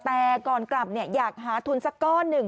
แต่ก่อนกลับอยากหาทุนสักก้อนหนึ่ง